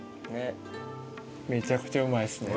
めちゃくちゃうまいですね。